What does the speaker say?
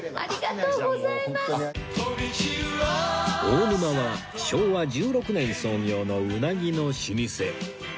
大沼は昭和１６年創業の鰻の老舗